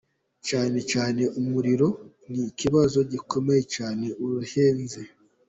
Cyane cyane umuriro ni ikibazo gikomeye cyane, urahenze.